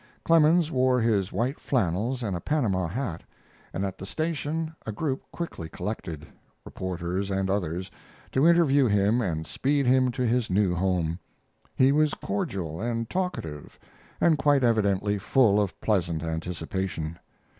Clemens wore his white flannels and a Panama hat, and at the station a group quickly collected, reporters and others, to interview him and speed him to his new home. He was cordial and talkative, and quite evidently full of pleasant anticipation.